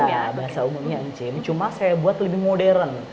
ya bahasa umumnya encim cuma saya buat lebih modern